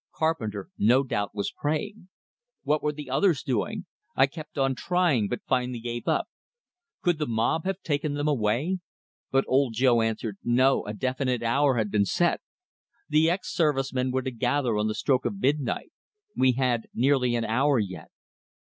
Carpenter, no doubt, was praying. What were the others doing? I kept on trying, but finally gave up. Could the mob have taken them away? But Old Joe answered, no, a definite hour had been set. The ex service men were to gather on the stroke of midnight. We had nearly an hour yet.